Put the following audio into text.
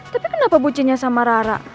tapi kenapa bucinya sama rara